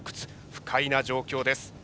不快な状況です。